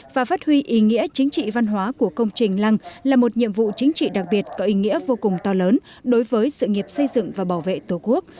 và phát huy ý nghĩa chính trị văn hóa của công trình lăng là một nhiệm vụ chính trị đặc biệt có ý nghĩa vô cùng to lớn đối với sự nghiệp xây dựng và bảo vệ tổ quốc